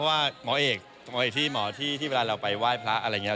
ว่าหมอเอกที่หมอที่เวลาเราไปไหว้พระอะไรอย่างนี้